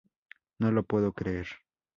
No lo puedo creer.